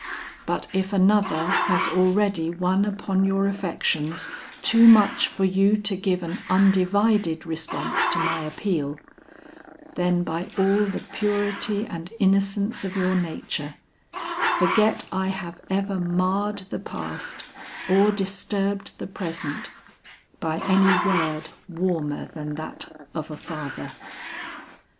But if another has already won upon your affections too much for you to give an undivided response to my appeal, then by all the purity and innocence of your nature, forget I have ever marred the past or disturbed the present by any word warmer than that of a father.